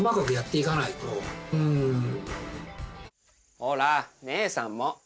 ほら姉さんも。